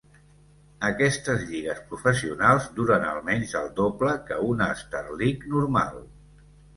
Aquestes lligues professionals duren al menys el doble que una Starleague normal.